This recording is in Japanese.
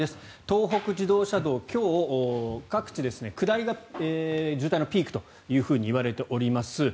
東北自動車道、今日各地下りが渋滞のピークと言われております。